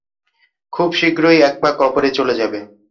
খুব শীঘ্রই এক পা কবরে চলে যাবে।